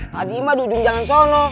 tadi mah di ujung jalan sono